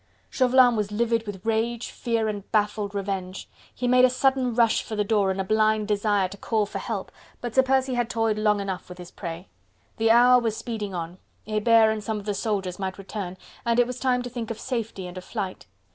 Chauvelin was livid with rage, fear and baffled revenge. He made a sudden rush for the door in a blind desire to call for help, but Sir Percy had toyed long enough with his prey. The hour was speeding on: Hebert and some of the soldiers might return, and it was time to think of safety and of flight.